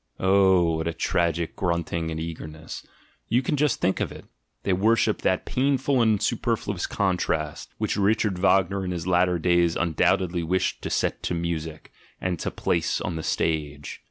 Oh, what a tragic grunting and eager ness! You can just think of it — they worship that pain ful and superfluous contrast, which Richard Wagner in his latter days undoubtedly wished to set to music, and to place on the stage!